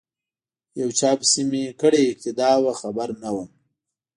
یو چا پسی می کړې اقتدا وه خبر نه وم